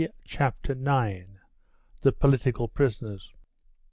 CHAPTER IX. THE POLITICAL PRISONERS.